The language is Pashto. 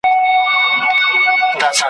چي ستنې سوي په سېلونو وي پردېسي مرغۍ ,